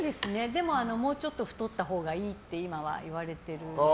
でももうちょっと太ったほうがいいって今は言われて。